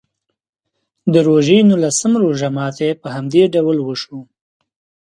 د روژې نولسم روژه ماتي په همدې ډول وشو.